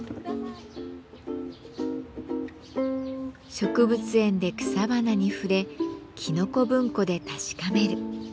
植物園で草花に触れきのこ文庫で確かめる。